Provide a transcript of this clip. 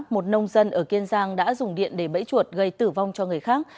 một nông dân ở kiên giang đã dùng điện để bẫy chuột gây tử vong cho người khác